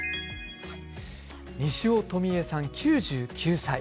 西尾冨枝さん、９９歳。